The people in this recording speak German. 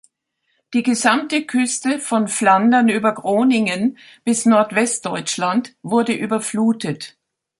Die gesamte Küste von Flandern über Groningen bis Nord-West-Deutschland wurde überflutet.